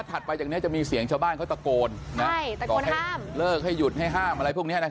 ไปจากนี้จะมีเสียงชาวบ้านเขาตะโกนบอกให้เลิกให้หยุดให้ห้ามอะไรพวกนี้